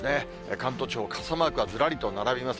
関東地方、傘マークがずらりと並びます。